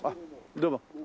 どうも。